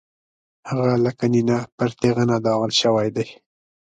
هغه لکه نېنه پر تېغنه داغل شوی دی.